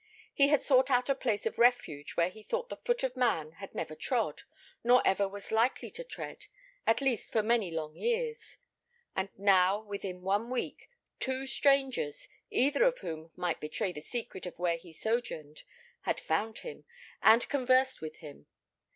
He had sought out a place of refuge where he thought the foot of man had never trod, nor ever was likely to tread, at least for many long years; and now, within one week, two strangers, either of whom might betray the secret of where he sojourned, had found him, and conversed with him.